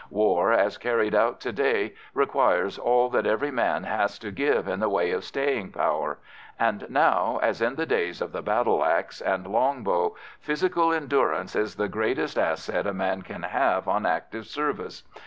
War, as carried out to day, requires all that every man has to give in the way of staying power, and now, as in the days of the battle axe and long bow, physical endurance is the greatest asset a man can have on active service.